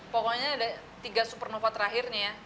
pokoknya ada tiga supernova terakhirnya ya